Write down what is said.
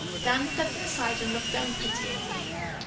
Dan stepped inside and looked down pityingly.